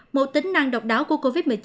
một tính năng độc đáo của covid một mươi chín